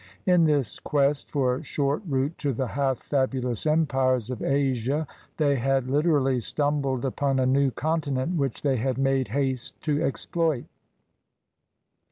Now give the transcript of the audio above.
In this quest for a short route to the half fabulous empires of Asia they had literally stumbled upon a new continent which they had made haste to exploit.